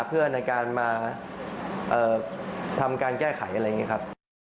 เพื่อในการมาทำการแก้ไขอะไรอย่างนี้ครับ